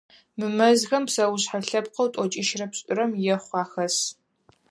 Мы мэзхэм псэушъхьэ лъэпкъэу тӏокӏищрэ пшӏырэм ехъу ахэс.